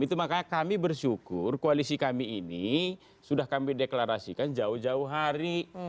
itu makanya kami bersyukur koalisi kami ini sudah kami deklarasikan jauh jauh hari